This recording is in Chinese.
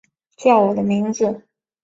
叫我的名字